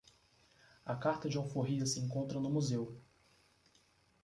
A carta de alforria se encontra no Museu